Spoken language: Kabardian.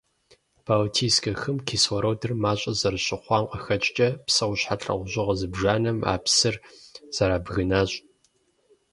Балтийскэ хым кислородыр мащӀэ зэрыщыхъуам къыхэкӀкӀэ, псэущхьэ лӀэужьыгъуэ зыбжанэм а псыр зэрабгынащ.